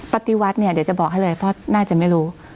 ปฏิวัติเนี่ยเดี๋ยวจะบอกให้เลยเพราะน่าจะไม่รู้